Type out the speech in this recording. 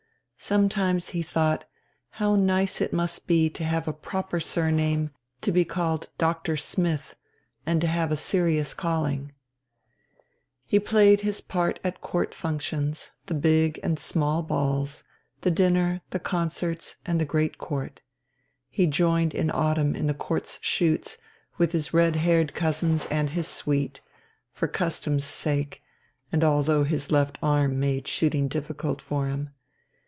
Sometimes he thought how nice it must be to have a proper surname, to be called Doctor Smith, and to have a serious calling. He played his part at Court functions, the big and small balls, the dinner, the concerts, and the Great Court. He joined in autumn in the Court's shoots with his red haired cousins and his suite, for custom's sake and although his left arm made shooting difficult for him.